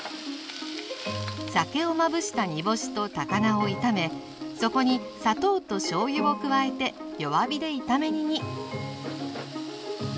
酒をまぶした煮干しと高菜を炒めそこに砂糖としょうゆを加えて弱火で炒め煮に。